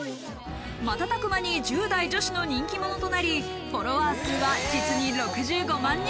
瞬く間に１０代女子の人気者となり、フォロワー数は実に６５万人。